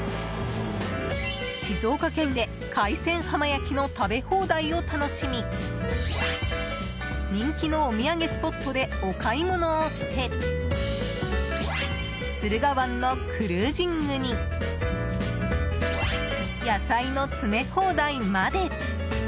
静岡県で海鮮浜焼きの食べ放題を楽しみ人気のお土産スポットでお買い物をして駿河湾のクルージングに野菜の詰め放題まで！